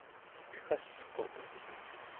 teggalquq